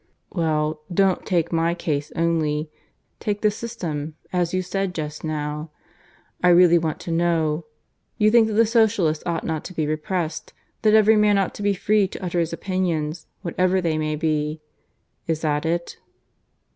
"Well, don't take my case only. Take the system, as you said just now. I really want to know.... You think that the Socialists ought not to be repressed that every man ought to be free to utter his opinions, whatever they may be. Is that it?"